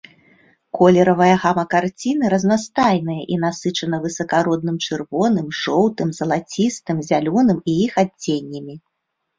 Колеравая гама карціны разнастайная і насычана высакародным чырвоным, жоўтым, залацістым, зялёным і іх адценнямі.